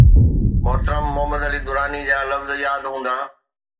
محترم محمد علي دراني جا لفظ ياد هوندا.